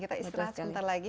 kita istirahat sebentar lagi